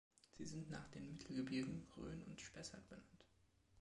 Sie sind nach den Mittelgebirgen Rhön und Spessart benannt.